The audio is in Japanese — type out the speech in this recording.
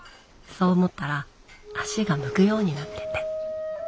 そう思ったら足が向くようになってて。